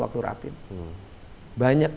waktu rapin banyak